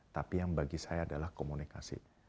tapi yang bagi saya adalah komunikasi